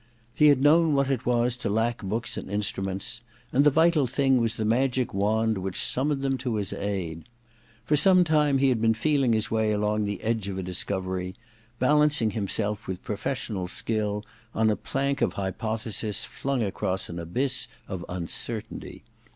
He had known what it was to lack books and instru ments ; and * The Vital Thing * was the magic wand which summoned them to his aid. For some time he had been feeling his way along the edge of a discovery : balancing himself with professional skill on a plank of hypothesis flung across an abyss of uncertainty.